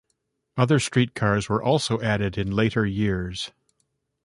Other streetcars were also added in later years.